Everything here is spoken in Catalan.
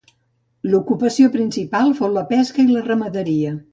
L'ocupació principal fou la pesca i la ramaderia.